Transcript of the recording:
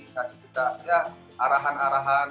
kasih kita ya arahan arahan